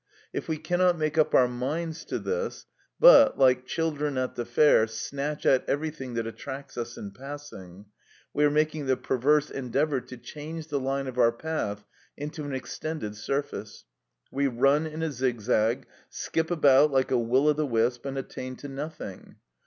If we cannot make up our minds to this, but, like children at the fair, snatch at everything that attracts us in passing, we are making the perverse endeavour to change the line of our path into an extended surface; we run in a zigzag, skip about like a will o' the wisp, and attain to nothing.